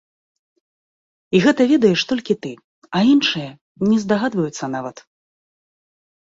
І гэта ведаеш толькі ты, а іншыя не здагадваюцца нават.